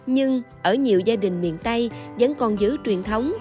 nhưng ở nhiều gia đình miền tây vẫn còn giữ truyền thống